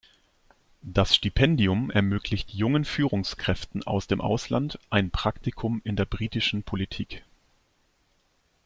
Das Stipendium ermöglicht jungen Führungskräften aus dem Ausland ein Praktikum in der britischen Politik.